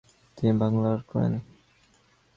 তিনি বাংলার পুনর্নির্মাণ ও পুনরুদ্ধারের দিকে মনোনিবেশ করেন।